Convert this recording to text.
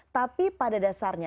tapi pada dasarnya